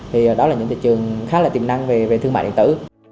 thì đó là những thị trường khá là tiềm năng về thương mại điện tử